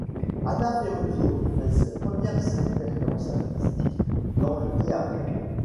Anna Ferruzzo fait ses premières expériences artistiques dans le théâtre.